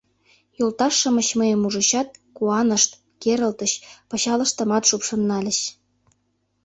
Йолташ-шамыч мыйым ужычат, куанышт, керылтыч, пычалыштымат шупшын нальыч.